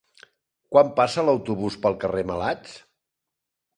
Quan passa l'autobús pel carrer Malats?